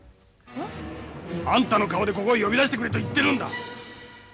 はあ？あんたの顔でここへ呼び出してくれと言ってるんだ！